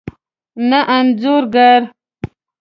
نه انځور ګر